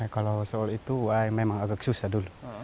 kalau soal itu wah memang agak susah dulu